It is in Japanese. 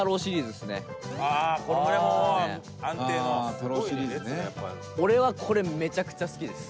玉森：俺はこれ、めちゃくちゃ好きです。